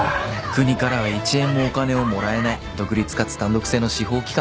国からは一円もお金をもらえない独立かつ単独制の司法機関。